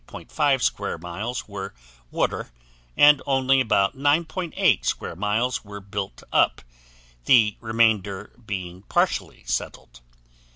5 square miles were water and only about 9.8 square miles were built up, the remainder being partially settled.